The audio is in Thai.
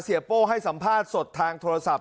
โป้ให้สัมภาษณ์สดทางโทรศัพท์